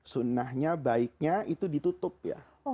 sunnahnya baiknya itu ditutup ya